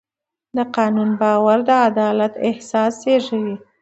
د قانون باور د عدالت احساس زېږوي.